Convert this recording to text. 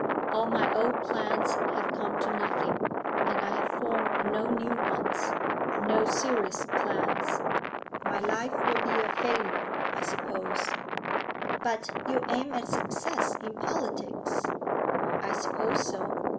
All my old plans have come to nothing, and I have formed no new ones, no serious plans. My life will be a failure, I suppose.' 'But you aim at success in politics?' 'I suppose so.